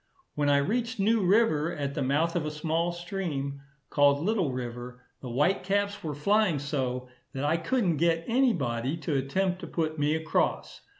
When I reached New River, at the mouth of a small stream, called Little River, the white caps were flying so, that I couldn't get any body to attempt to put me across.